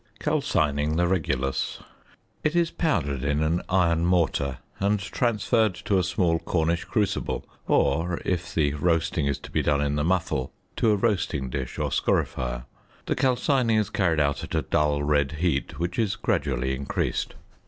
~Calcining the Regulus.~ It is powdered in an iron mortar and transferred to a small Cornish crucible, or (if the roasting is to be done in the muffle) to a roasting dish or scorifier. The calcining is carried out at a dull red heat, which is gradually increased.